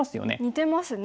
似てますね。